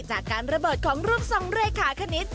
จากการระเบิดของรูปทรงเลขาคณิต